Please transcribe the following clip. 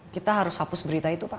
kita harus hapus berita itu pak